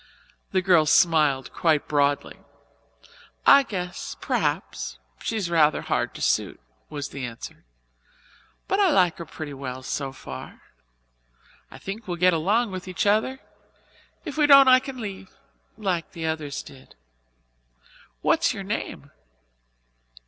The girl smiled quite broadly. "I guess p'r'aps she's rather hard to suit," was the answer, "but I like her pretty well so far. I think we'll get along with each other. If we don't I can leave like the others did." "What is your name?"